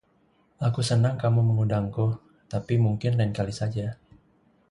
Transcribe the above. Aku senang kamu mengundangku, tapi mungkin lain kali saja.